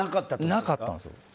なかったんですよ。